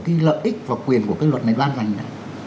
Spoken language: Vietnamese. cái lợi ích và quyền của cái luật này ban hành đấy